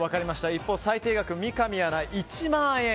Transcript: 一方、最低額は三上アナ、１万円。